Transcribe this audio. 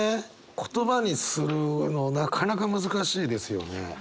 言葉にするのなかなか難しいですよね。